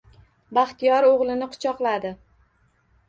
Baxtiyor oʻgʻlini quchoqladi